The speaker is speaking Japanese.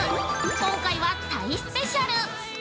今回はタイスペシャル。